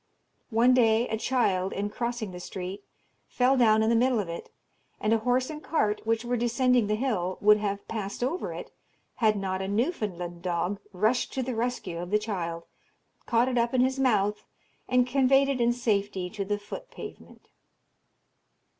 One day a child, in crossing the street, fell down in the middle of it, and a horse and cart, which were descending the hill, would have passed over it, had not a Newfoundland dog rushed to the rescue of the child, caught it up in his mouth, and conveyed it in safety to the foot pavement.